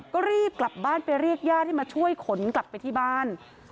ก็รีบกลับบ้านไปเรียกญาติให้มาช่วยขนกลับไปที่บ้าน